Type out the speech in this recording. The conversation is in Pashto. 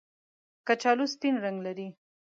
کچالو سپین رنګ لري